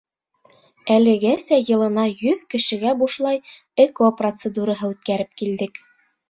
Әлегәсә йылына йөҙ кешегә бушлай ЭКО процедураһы үткәреп килдек.